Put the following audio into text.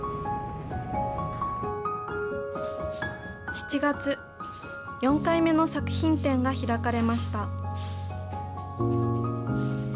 ７月、４回目の作品展が開かれました。